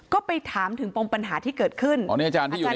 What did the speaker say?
ก็ไปถามถึงปัญหาที่เกิดขึ้นอาจารย์แขกที่อยู่ในคลิปเนี่ย